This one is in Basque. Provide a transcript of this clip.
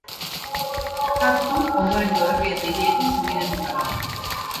Tartu ondorengo herri eta hiriekin senidetuta dago.